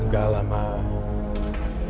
gak lah mbak